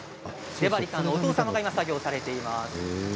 出張さんのお父様が作業されています。